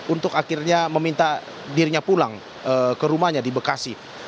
untuk akhirnya meminta dirinya pulang ke rumahnya di bekasi